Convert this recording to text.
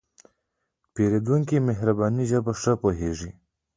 پیرودونکی د مهربانۍ ژبه ښه پوهېږي.